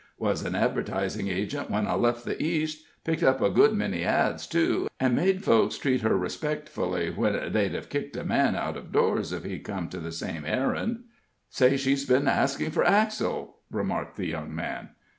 Was an advertising agent when I left the East picked up a good many ads, too, and made folks treat her respectfully, when they'd have kicked a man out of doors if he'd come on the same errand." "Say she's been asking for Axel," remarked the young man.